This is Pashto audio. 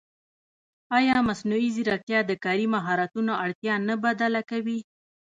ایا مصنوعي ځیرکتیا د کاري مهارتونو اړتیا نه بدله کوي؟